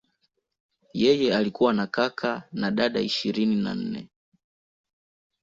Yeye alikuwa na kaka na dada ishirini na nne.